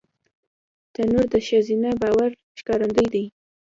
تنور د ښځینه باور ښکارندوی دی